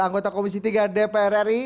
anggota komisi tiga dpr ri